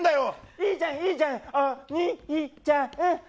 いいじゃん、いいじゃんお兄ちゃん。